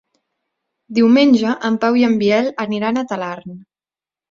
Diumenge en Pau i en Biel aniran a Talarn.